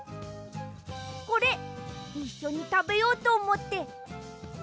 これいっしょにたべようとおもって。